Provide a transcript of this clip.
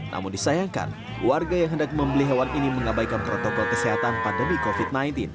namun disayangkan warga yang hendak membeli hewan ini mengabaikan protokol kesehatan pandemi covid sembilan belas